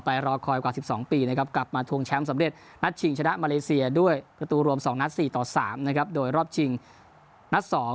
รอคอยกว่า๑๒ปีนะครับกลับมาทวงแชมป์สำเร็จนัดชิงชนะมาเลเซียด้วยประตูรวม๒นัด๔ต่อ๓นะครับโดยรอบชิงนัด๒